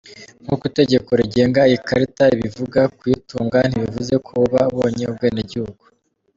Nk’uko itegeko rigenga iyi karita ribivuga, kuyitunga ntibivuze ko uba ubonye ubwenegihugu.